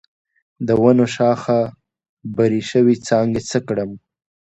د ونو شاخه بري شوي څانګې څه کړم؟